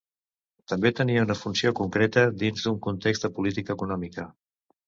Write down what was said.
També tenia una funció concreta dins d'un context de política econòmica.